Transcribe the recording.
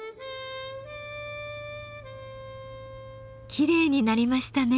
きれいになりましたね。